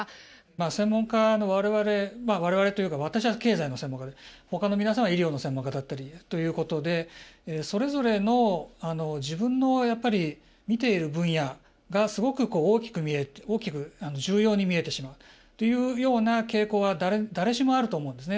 専門家の我々我々というか私は経済の専門家でほかの皆さんは医療の専門家だったりということでそれぞれの自分の見ている分野がすごく大きく重要に見えてしまうというような傾向は誰しもあると思うんですね。